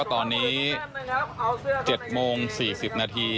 ตอนนี้๗โมง๔๐นาที